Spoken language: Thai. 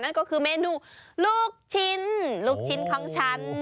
นั่นก็คือเมนูลูกชิ้นลูกชิ้นของฉัน